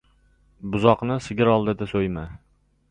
• Buzoqni sigir oldida so‘yma.